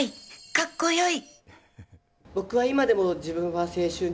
かっこよい！